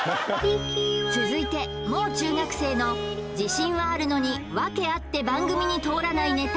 続いてもう中学生の自信はあるのにワケあって番組に通らないネタ